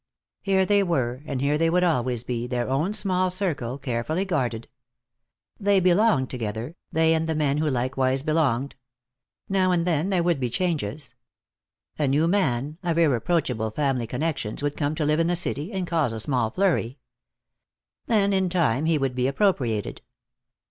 Here they were, and here they would always be, their own small circle, carefully guarded. They belonged together, they and the men who likewise belonged. Now and then there would be changes. A new man, of irreproachable family connections would come to live in the city, and cause a small flurry. Then in time he would be appropriated.